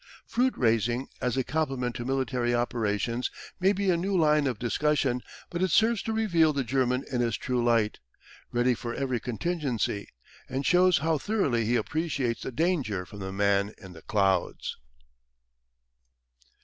Fruit raising as a complement to military operations may be a new line of discussion, but it serves to reveal the German in his true light, ready for every contingency, and shows how thoroughly he appreciates the danger from the man in the clouds.